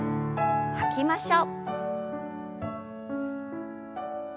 吐きましょう。